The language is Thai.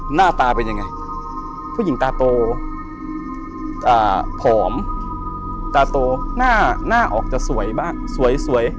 หน้าตาเป็นยังไงผู้หญิงตาโตผอมตาโตหน้าออกจะสวยบ้างสวย